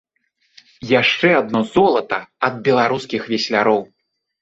Яшчэ адно золата ад беларускіх весляроў!